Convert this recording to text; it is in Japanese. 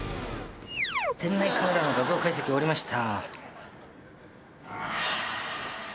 店内カメラの画像解析終わりました。